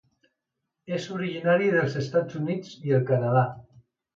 És originari dels Estats Units i el Canadà.